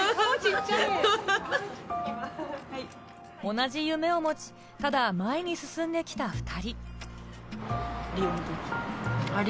同じ夢を持ち、ただ前に進んできた２人。